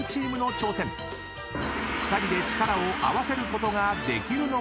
［２人で力を合わせることができるのか？］